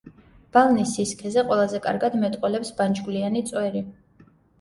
ბალნის სისქეზე ყველაზე კარგად მეტყველებს ბანჯგვლიანი წვერი.